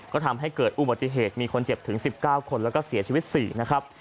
ก็ทำให้เกิดอุบัติเหตุมีคนเจ็บถึง๑๙คนแล้วก็เสียชีวิต๔นะครับ